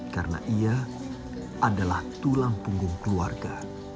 karena ia adalah tulang punggung keluarga